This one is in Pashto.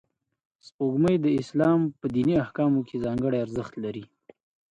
سپوږمۍ د اسلام په دیني احکامو کې ځانګړی ارزښت لري